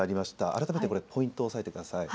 改めてポイントを押さえてください。